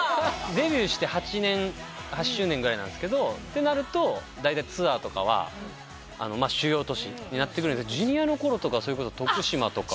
デビューして８年８周年ぐらいなんですけどってなると大体ツアーとかは主要都市になってくるんですけどＪｒ．の頃とかはそれこそ徳島とか。